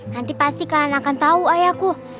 nanti pasti kalian akan tahu ayahku